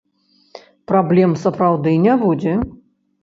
Праблем сапраўды не будзе?